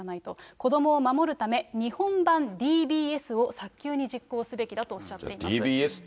子どもを守るため、日本版ＤＢＳを早急に実行すべきだとおっしゃっています。